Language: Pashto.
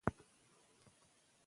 دا معاهده د غلامۍ سند و.